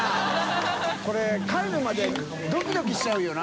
これ帰るまでドキドキしちゃうよな。